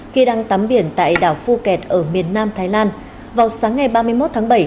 khi đang tắm biển tại đảo phuket ở miền nam thái lan vào sáng ngày ba mươi một tháng bảy